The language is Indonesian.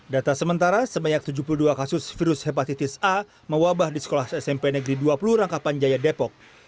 data sementara sebanyak tujuh puluh dua kasus virus hepatitis a mewabah di sekolah smp negeri dua puluh rangkapan jaya depok